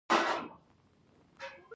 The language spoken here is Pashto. مصوبه څه ته وایي؟